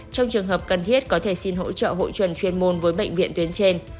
trong trường hợp cần thiết có thể xin hỗ trợ hội chuẩn chuyên môn với bệnh viện tuyến trên